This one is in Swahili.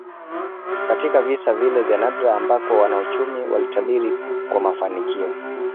Katika visa vile vya nadra ambako wanauchumi walitabiri kwa mafanikio